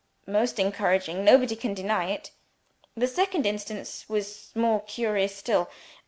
"Most encouraging nobody can deny it." "The second instance was more curious still.